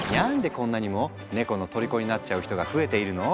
こんなにもネコのとりこになっちゃう人が増えているの？